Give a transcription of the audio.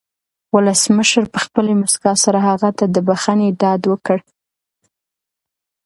ولسمشر په خپلې مسکا سره هغه ته د بښنې ډاډ ورکړ.